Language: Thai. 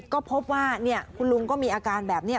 ก็พบว่าคุณลุงก็มีอาการแบบนี้